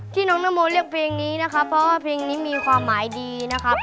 น้องนโมเลือกเพลงนี้นะครับเพราะว่าเพลงนี้มีความหมายดีนะครับ